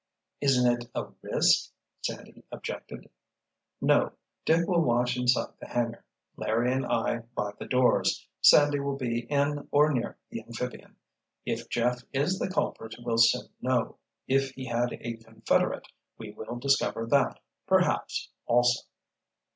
"Isn't it a risk?" Sandy objected. "No. Dick will watch inside the hangar, Larry and I by the doors. Sandy will be in or near the amphibian. If Jeff is the culprit we'll soon know—if he had a confederate we will discover that, perhaps, also."